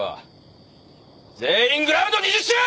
全員グラウンド２０周！